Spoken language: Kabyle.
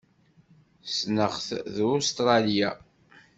Ssneɣ-t deg Ustṛalya.